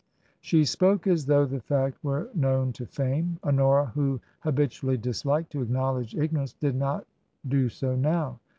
She spoke as though the fact were known to fame. Honora, who habitually disliked to acknowledge igno rance, did not do so now.